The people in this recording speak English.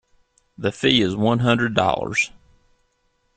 The fee is one hundred dollars.